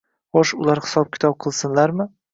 Xo'sh, ular hisob -kitob qilsinlarmi?